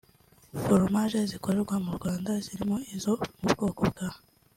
Foromaje zikorerwa mu Rwanda zirimo izo mu bwoko bwa